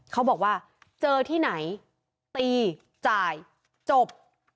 เขาบอกว่าเจอที่ไหนตีจ่ายจบ